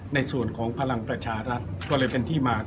ในส่วนของพลังประชารัฐก็เลยเป็นที่มา